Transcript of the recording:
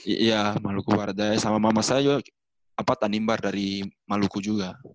iya maluku barat daya sama mama saya juga tanimbar dari maluku juga